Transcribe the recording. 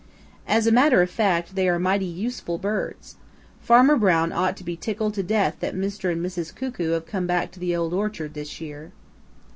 As a matter of fact, they are mighty useful birds. Farmer Brown ought to be tickled to death that Mr. and Mrs. Cuckoo have come back to the Old Orchard this year."